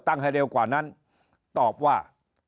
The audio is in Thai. ให้เร็วกว่านั้นตอบว่า